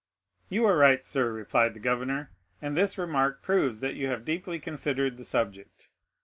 "You are right, sir," replied the governor; "and this remark proves that you have deeply considered the subject.